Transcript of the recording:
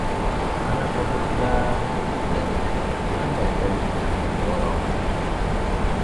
Qani popuklar, — deydi qandaydir tantanavor ohangda.